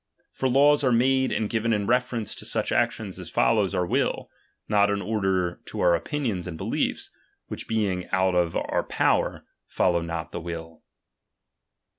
For laws are made and given in reference to such actions as follow our will ; not in order to our opinions and belief, which being out of our power, follow not the will.